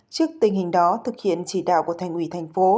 trước tình hình đó thực hiện chỉ đạo của thành ủy thành phố